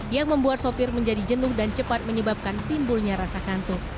yang membuat sopir menjadi jenuh dan cepat menyebabkan timbulnya rasa kantuk